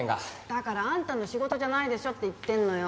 だからあんたの仕事じゃないでしょって言ってんのよ。